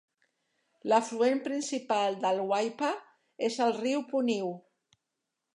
L'afluent principal del Waipa és el riu Puniu.